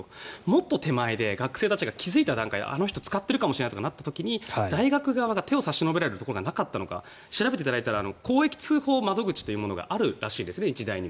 もっと手前で学生たちが気付いた段階であの人、使っているかもしれないとなった時に大学側が手を差し伸べられるところがなかったのか調べていただいたら公益通報窓口というものがあるらしいですね、日大に。